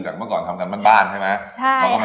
เมื่อก่อนทำการบ้านใช่ไหม